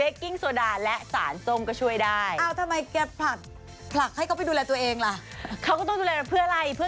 เขาก็ต้องดูแลตัวเพื่อไร